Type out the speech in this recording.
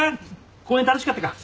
公園楽しかったか？